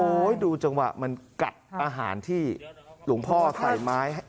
ดูจังหวะมันกัดอาหารที่หลวงพ่อใส่ไม้